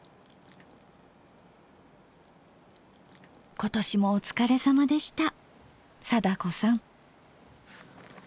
今年もお疲れさまでした貞子さん。